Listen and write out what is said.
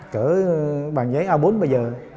cỡ bàn giấy a bốn bây giờ